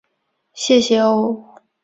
谢谢哦